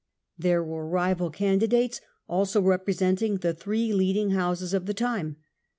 There were rival candidates also representing the three leading houses of the time.